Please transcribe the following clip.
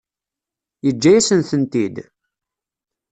Yeǧǧa-yasen-tent-id?